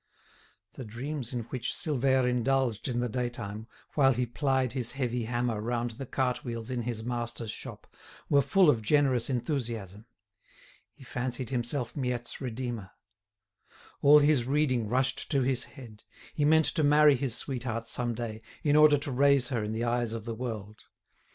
The dreams in which Silvère indulged in the daytime, while he plied his heavy hammer round the cartwheels in his master's shop, were full of generous enthusiasm. He fancied himself Miette's redeemer. All his reading rushed to his head; he meant to marry his sweetheart some day, in order to raise her in the eyes of the world.